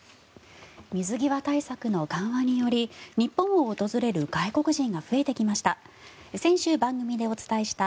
水際対策の緩和により日本を訪れる外国人が増えてきました。